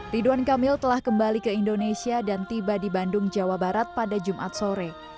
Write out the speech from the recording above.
ridwan kamil telah kembali ke indonesia dan tiba di bandung jawa barat pada jumat sore